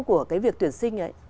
của cái việc tuyển sinh ấy